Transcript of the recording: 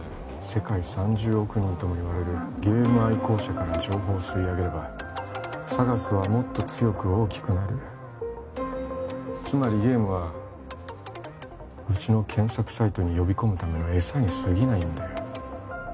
世界３０億人ともいわれるゲーム愛好者から情報を吸い上げればＳＡＧＡＳはもっと強く大きくなるつまりゲームはうちの検索サイトに呼び込むための餌にすぎないんだよ